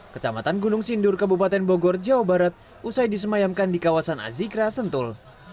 kecamatan gunung sindur kabupaten bogor jawa barat usai disemayamkan di kawasan azikra sentul